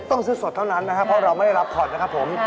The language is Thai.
ต้องซื้อสดเท่านั้นนะครับเพราะเราไม่ได้รับผ่อนนะครับผม